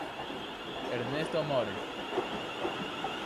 Ernesto More.